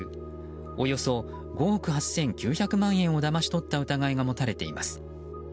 およそ５億８９００万円をだまし取った疑いが持たれています。